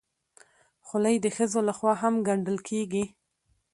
خولۍ د ښځو لخوا هم ګنډل کېږي.